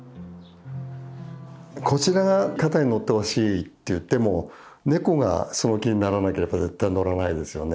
こちらが肩に乗ってほしいって言ってもネコがその気にならなければ絶対乗らないですよね。